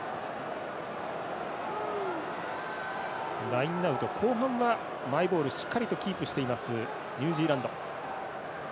ラインアウト後半はマイボールしっかりとキープしていますニュージーランド。